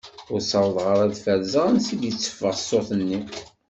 Ur sawḍeɣ ara ad feṛzeɣ ansa d-itteffeɣ ṣṣut-nni.